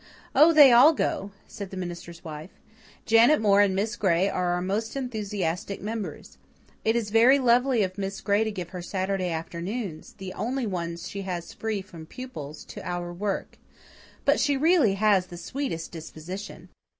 "Oh, they all go," said the minister's wife. "Janet Moore and Miss Gray are our most enthusiastic members. It is very lovely of Miss Gray to give her Saturday afternoons the only ones she has free from pupils to our work. But she really has the sweetest disposition."